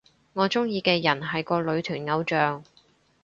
我鍾意嘅人係個女團偶像